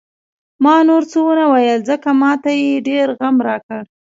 ما نور څه ونه ویل، ځکه ما ته یې ډېر غم راکړ.